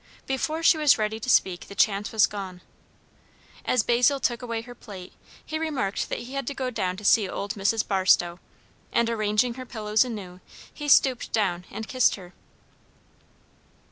Before she was ready to speak the chance was gone. As Basil took away her plate, he remarked that he had to go down to see old Mrs. Barstow; and arranging her pillows anew, he stooped down and kissed her.